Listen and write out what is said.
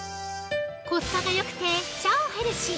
コスパがよくて超ヘルシー！